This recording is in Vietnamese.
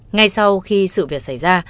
ngay sau khi sự việc xảy ra